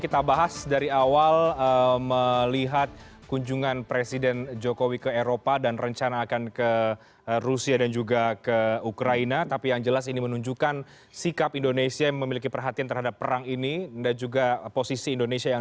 kita berpikir itu adalah jarak yang akan menjadi kondisi pega pega ke depan presidensi g dua puluh